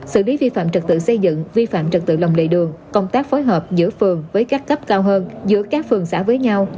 xử lý vi phạm trật tự xây dựng vi phạm trật tự lòng lề đường công tác phối hợp giữa phường với các cấp cao hơn giữa các phường xã với nhau